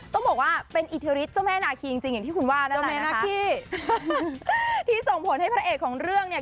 ต้องบอกว่าเป็นอิทธิฤทธิเจ้าแม่นาคีจริงจริงอย่างที่คุณว่านะเจ้าแม่นาคีที่ส่งผลให้พระเอกของเรื่องเนี่ย